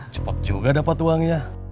cepet juga dapat uangnya